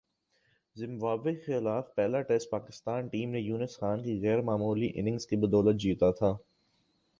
Zimbabwe کے خلاف پہلا ٹیسٹ پاکستانی ٹیم نے یونس خان کی غیر معمولی اننگز کی بدولت جیتا تھا ۔